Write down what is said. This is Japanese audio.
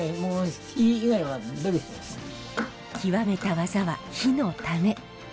極めた技は杼のため。